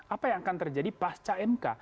apa yang akan terjadi pas cmk